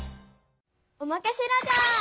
おまかせラジャー！